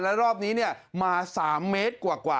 แล้วรอบนี้มา๓เมตรกว่า